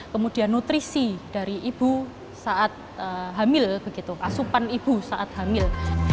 kemudian nutrisi dari ibu saat hamil asupan ibu saat hamil